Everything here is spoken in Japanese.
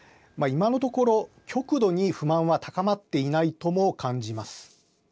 今のところ極度に不満は高まっていないとも感じます。